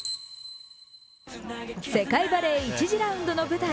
世界バレー１次ラウンドの舞台